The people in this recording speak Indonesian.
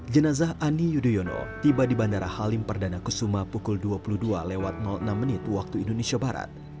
jenazah ani yudhoyono tiba di bandara halim perdana kusuma pukul dua puluh dua lewat enam menit waktu indonesia barat